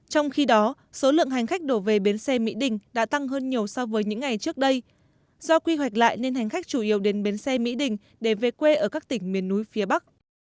trong khi đó số lượng hành khách đổ về bến xe mỹ đình đã tăng hơn nhiều so với những ngày trước đây do quy hoạch lại nên hành khách chủ yếu đến bến xe mỹ đình để về quê ở các tỉnh miền núi phía bắc